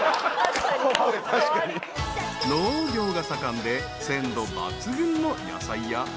［農業が盛んで鮮度抜群の野菜や］